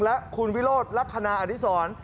และคุณวิโรธลักษณะอดิษร